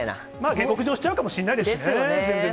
下克上しちゃうかもしれないですよね。